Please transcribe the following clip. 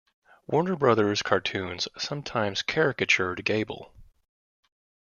Warner Brothers cartoons sometimes caricatured Gable.